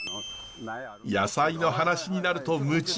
野菜の話になると夢中。